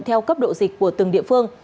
theo cấp độ dịch của từng địa phương